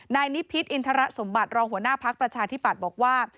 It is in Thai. นายนิพิษอินทรสมบัติรองหัวหน้าพักประชาธิปัตย์บอกว่า